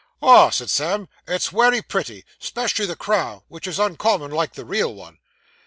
'Ah,' said Sam, 'it's wery pretty, 'specially the crown, which is uncommon like the real one.